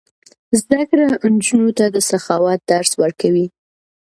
زده کړه نجونو ته د سخاوت درس ورکوي.